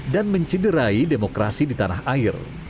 dan mencederai demokrasi di tanah air